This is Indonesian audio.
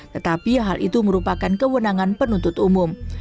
tetapi hal itu merupakan kewenangan penuntut umum